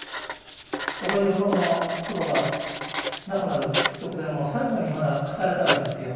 この祖母が亡くなる直前も最後にまだ語れたわけですよ。